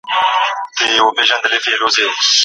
د نمځنې کلمه د درناوي او احترام په مانا ده.